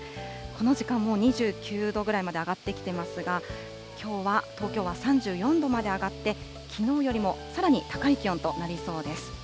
この時間もう、２９度ぐらいまで上がってきてますが、きょうは東京は３４度まで上がって、きのうよりもさらに高い気温となりそうです。